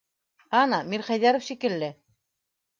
Ана, Мирхәйҙәров шикелле.